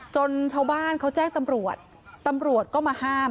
ชาวบ้านเขาแจ้งตำรวจตำรวจก็มาห้าม